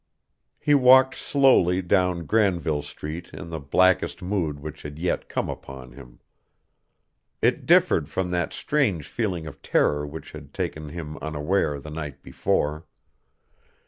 He walked slowly down Granville Street in the blackest mood which had yet come upon him. It differed from that strange feeling of terror which had taken him unaware the night before.